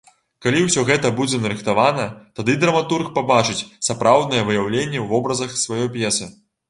Калі ўсё гэта будзе нарыхтавана, тады драматург пабачыць сапраўднае выяўленне ў вобразах сваёй п'есы.